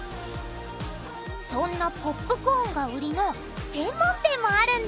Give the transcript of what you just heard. そんなポップコーンが売りの専門店もあるんだ！